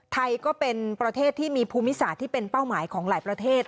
ไทยก็เป็นประเทศที่มีภูมิศาสตร์ที่เป็นเป้าหมายของหลายประเทศ